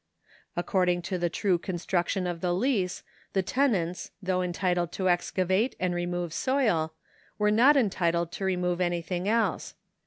According to the true construction of the lease the tenants, though entitled to excavate and remove soil, were not entitled to remove anything else.